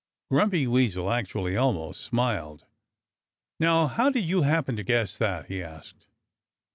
Grumpy Weasel actually almost smiled. "Now, how did you happen to guess that?" he asked.